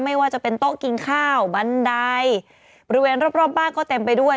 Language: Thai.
ไม่ว่าจะเป็นโต๊ะกินข้าวบันไดบริเวณรอบรอบบ้านก็เต็มไปด้วย